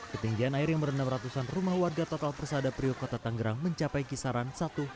ketinggian air yang merendam ratusan rumah warga total persadap priokota tangerang mencapai kisaran satu